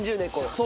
そう。